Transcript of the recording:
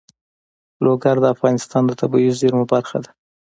لوگر د افغانستان د طبیعي زیرمو برخه ده.